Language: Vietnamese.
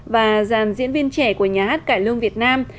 và dàn diễn viên trẻ của nhà hát cải lương việt nam